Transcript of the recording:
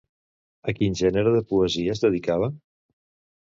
A quin gènere de poesia es dedicava?